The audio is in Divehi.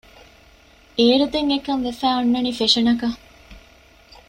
އޭރުދެން އެކަންކަން ވެފައި އޮންނަނީ ފެޝަނަކަށް